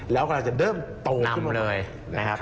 แล้วกำลังจะเริ่มโตขึ้นขึ้นขึ้น